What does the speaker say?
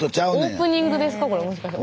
オープニングですかこれもしかして。